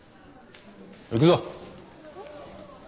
行くぞ。